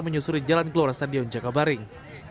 menyusuri jalan keluar stadion jakabaring